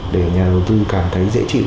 để nhà đầu tư cảm thấy dễ chịu